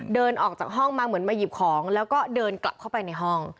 เดินออกจากห้องมาเหมือนมาหยิบของแล้วก็เดินกลับเข้าไปในห้อง